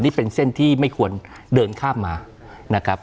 นี่เป็นเส้นที่ไม่ควรเดินข้ามมานะครับ